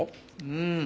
うん。